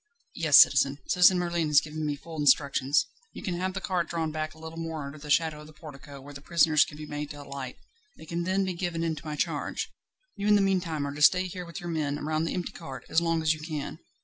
"Yes, citizen; Citizen Merlin has given me full instructions. You can have the cart drawn back a little more under the shadow of the portico, where the prisoners can be made to alight; they can then be given into my charge. You in the meantime are to stay here with your men, round the empty cart, as long as you can.